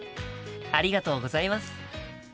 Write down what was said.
ありがとうございます。